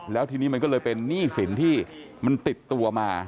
แล้วทีนี้มันก็เลยเป็นหนี้สินที่มันติดตัวมา